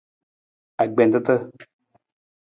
Agbentata.